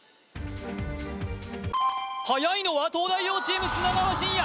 はやいのは東大王チーム砂川信哉